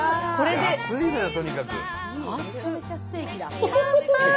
めちゃめちゃステーキだ。